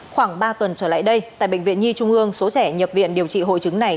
khoảng ba tuần trở lại đây tại bệnh viện nhi trung ương số trẻ nhập viện điều trị hội chứng này